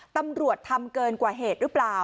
ตำรวจทำเกินกว่าเหตุหรือเปล่า